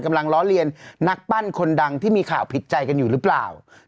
ล้อเลียนนักปั้นคนดังที่มีข่าวผิดใจกันอยู่หรือเปล่า